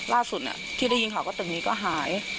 ล่าสุดที่ได้ยินข่าวว่าตึกนี้ก็หาย